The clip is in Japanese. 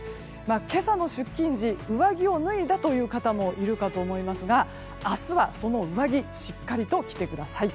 今朝の出勤時上着を脱いだという方もいるかと思いますが明日は、その上着しっかりと着てください。